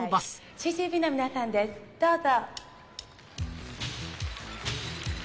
ＣＣＢの皆さんです、どうぞ。